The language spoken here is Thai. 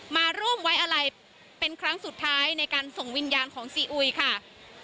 มาร่วมไว้อะไรเป็นครั้งสุดท้ายในการส่งวิญญาณของซีอุยค่ะ